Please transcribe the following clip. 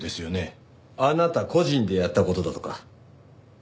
あなた個人でやった事だとか。